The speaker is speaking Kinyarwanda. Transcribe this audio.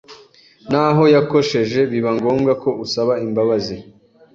n’aho yakosheje biba ngombwa ko usaba imbabazi.